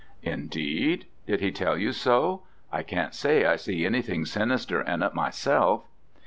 "Indeed? did he tell you so? I can't say I see anything sinister in it myself."